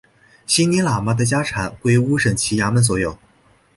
席尼喇嘛的家产归乌审旗衙门所有。